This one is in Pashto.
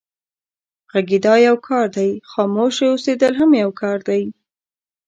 غږېدا يو کار دی، خاموشه اوسېدل هم يو کار دی.